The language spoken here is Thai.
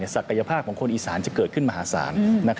ศักยภาพของคนอีสานจะเกิดขึ้นมหาศาล